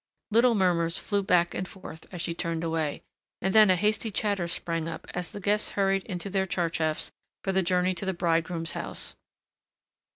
Little murmurs flew back and forth as she turned away, and then a hasty chatter sprang up as the guests hurried into their tcharchafs for the journey to the bridegroom's house.